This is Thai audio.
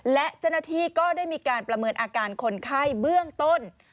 และเจ้าหน้าที่ก็ได้มีการประเมินอาการคนไข้เบื้องต้น